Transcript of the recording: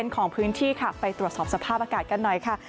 ของพื้นที่ค่ะไปตรวจสอบสภาพอากาศกันหน่อยค่ะ